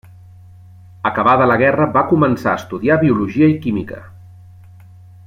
Acabada la guerra va començar a estudiar biologia i química.